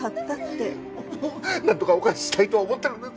なんとかお返ししたいとは思ってるんです。